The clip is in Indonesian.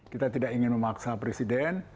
kita tidak ingin memaksa presiden